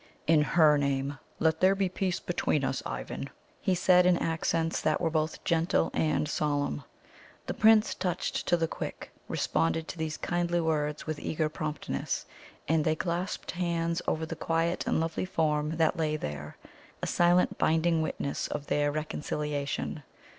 "In HER name, let there be peace between us, Ivan," he said in accents that were both gentle and solemn. The Prince, touched to the quick, responded to these kindly words with eager promptness, and they clasped hands over the quiet and lovely form that lay there a silent, binding witness of their reconciliation.